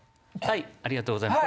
ありがとうございます